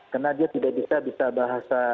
karena dia tidak bisa bahasa